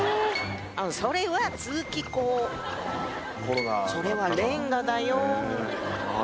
それは通気口それはレンガだよ